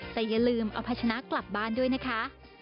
แต่อย่าลืมเอาพัชนะกลับบ้านด้วยนะคะ